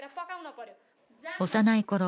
幼いころ